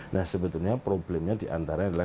nah sebetulnya problemnya diantara adalah